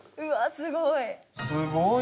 すごいね。